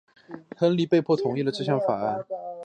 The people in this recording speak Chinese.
亨利被迫同意了这项法案。